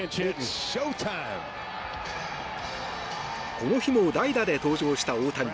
この日も代打で登場した大谷。